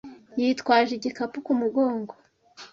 Yitwaje igikapu ku mugongo.